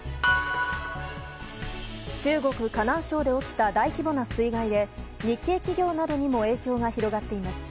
中国・河南省で起きた大規模な水害で日系企業などにも影響が広がっています。